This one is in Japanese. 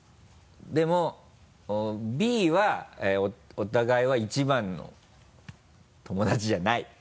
でも「Ｂ」はお互いは一番の友達じゃない。